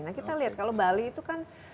nah kita lihat kalau bali itu kan